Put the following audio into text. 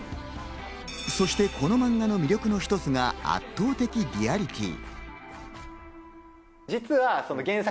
そしてこのマンガの魅力の一つが圧倒的リアリティー。